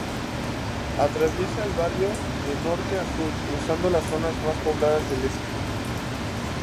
Atraviesa el barrio de norte a sur, cruzando las zonas más pobladas de este.